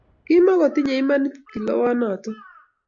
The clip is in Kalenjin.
Kimukotinye imanit kilowonotok